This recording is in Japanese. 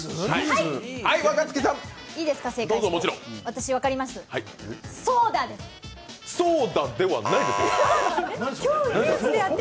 いいですか、正解して。